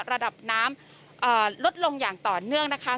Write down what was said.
ระดับน้ำลดลงอย่างต่อเนื่องนะคะ